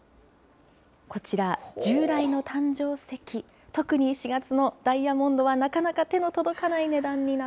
こちら、従来の誕生石、特に４月のダイヤモンドは、なかなか手の６００万円、無理。